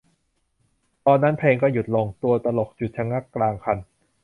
ตอนนั้นเพลงก็หยุดลง ตัวตลกหยุดชะงักกลางคัน